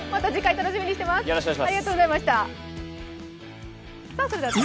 また次回楽しみにしています。